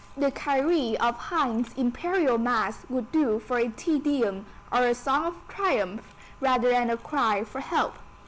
The Kyrie of Haydn's Imperial Mass would do for a Te Deum, or a Song of Triumph rather than a cry for help.